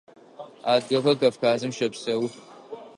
Адыгэхэр Кавказым щэпсэух.